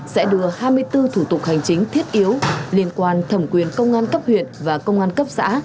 sẽ đưa hai mươi bốn thủ tục hành chính thiết yếu liên quan thẩm quyền công an cấp huyện và công an cấp xã